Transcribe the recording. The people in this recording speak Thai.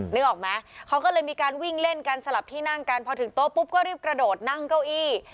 นึกออกไหมเขาก็เลยมีการวิ่งเล่นกันสลับที่นั่งกันพอถึงโต๊ะปุ๊บก็รีบกระโดดนั่งเก้าอี้